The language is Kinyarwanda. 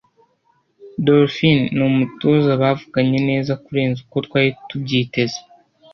dolphine numutoza bavuganye neza kurenza uko twari tubyiteze